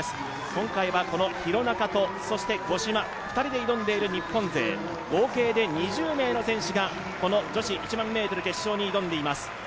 今回は廣中と五島、２人で挑んでいる日本勢合計で２０名の選手が女子１００００ｍ決勝に挑んでいます。